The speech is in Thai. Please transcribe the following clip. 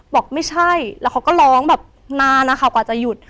บอกไม่ใช่แล้วเขาก็ร้องแบบนานนะคะกว่าจะหยุด